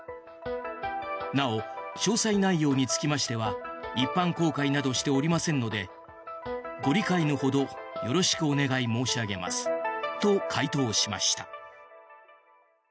なお、詳細内容につきましては一般公開などしておりませんのでご理解のほどよろしくお願い申し上げますと回答しました。